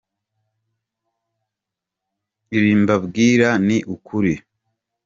Ibi mbabwira ni ukuri.